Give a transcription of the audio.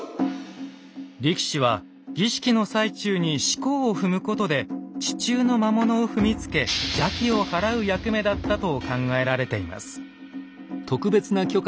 力士は儀式の最中に四股を踏むことで地中の魔物を踏みつけ邪気を払う役目だったと考えられています。